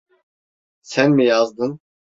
Sen mi yazdın?